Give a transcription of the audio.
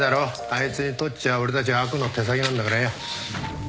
あいつにとっちゃ俺たちは悪の手先なんだからよ。